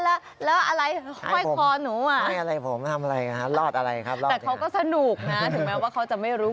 แต่เขาก็สนุกนะถึงแม้ว่าเขาจะไม่รู้